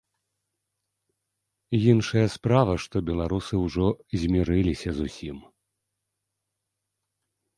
Іншая справа, што беларусы ўжо змірыліся з усім.